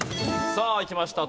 さあいきました